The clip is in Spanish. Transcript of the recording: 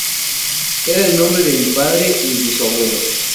Era el nombre de mi padre, y el de su abuelo.